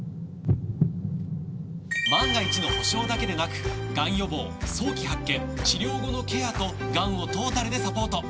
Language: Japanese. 万が一の保障だけでなくがん予防早期発見治療後のケアとがんをトータルでサポート！